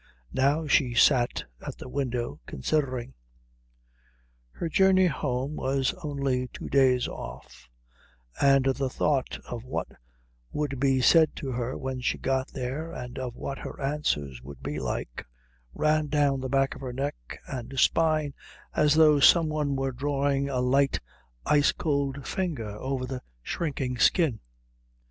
Now she sat at the window considering. Her journey home was only two days off, and the thought of what would be said to her when she got there and of what her answers would be like, ran down the back of her neck and spine as though some one were drawing a light, ice cold finger over the shrinking skin.